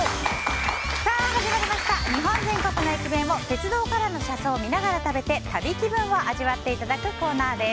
日本全国の駅弁を鉄道からの車窓を見ながら食べて旅気分を味わっていただくコーナーです。